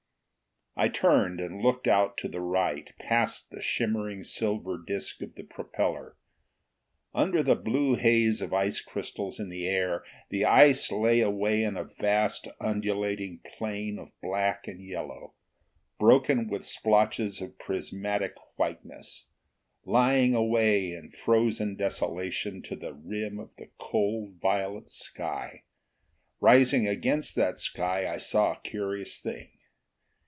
I turned and looked out to the right, past the shimmering silver disk of the propeller. Under the blue haze of ice crystals in the air, the ice lay away in a vast undulating plain of black and yellow, broken with splotches of prismatic whiteness, lying away in frozen desolation to the rim of the cold violet sky. Rising against that sky I saw a curious thing.